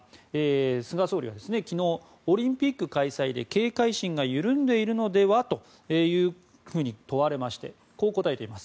菅総理は昨日オリンピック開催で警戒心が緩んでいるのではというふうに問われましてこう答えています。